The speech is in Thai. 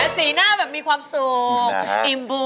สีหน้าแบบมีความสุข